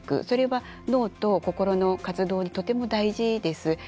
それは、脳と心の活動にとても大事です。